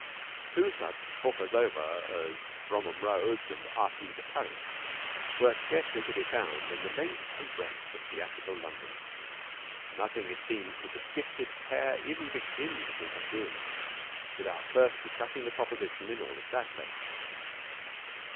Two such talkers over as Bromham Rhodes and R. P. de Parys were scarcely to be found in the length and breadth of theatrical London. Nothing, it seemed, could the gifted pair even begin to think of doing without first discussing the proposition in all its aspects.